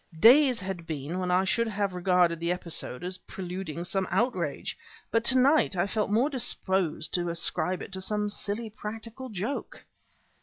Days had been when I should have regarded the episode as preluding some outrage, but to night I felt more disposed to ascribe it to a silly practical joke.